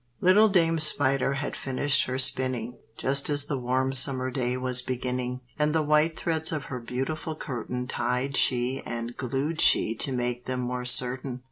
Little Dame Spider had finished her spinning, Just as the warm summer day was beginning, And the white threads of her beautiful curtain Tied she and glued she to make them more certain.